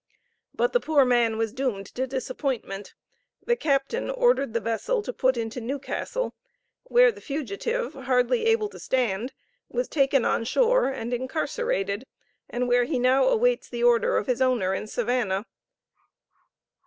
But the poor man was doomed to disappointment. The captain ordered the vessel to put into Newcastle, where, the fugitive, hardly able to stand, was taken on shore and incarcerated, and where he now awaits the order of his owner in Savannah.